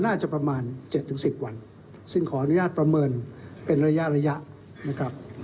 น่าจะประมาณ๗๑๐วันซึ่งขออนุญาตประเมินเป็นระยะระยะนะครับ